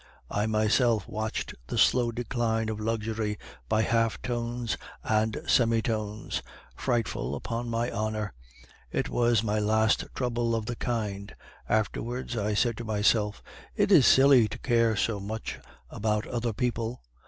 I myself watched the slow decline of luxury by half tones and semi tones! Frightful, upon my honor! It was my last trouble of the kind; afterwards I said to myself, 'It is silly to care so much about other people.